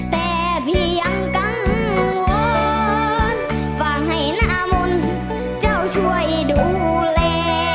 แต่พี่ยังกังวอนฝากให้นามนเจ้าช่วยดูแล